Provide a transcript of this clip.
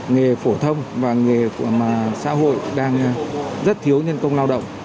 nghề phổ thông và nghề của xã hội đang rất thiếu nhân công lao động